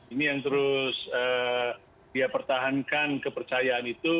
ini yang terus dia pertahankan kepercayaan itu